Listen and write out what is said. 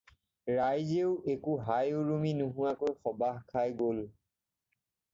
ৰাইজেও একো হাই-উৰুমি নোহোৱাকৈ সবাহ খাই গ'ল।